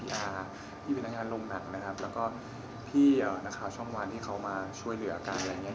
พี่เป็นนางงานลงหนังนะครับแล้วก็พี่นาคารช่องวานที่เขามาช่วยเหลือกันอะไรอย่างนี้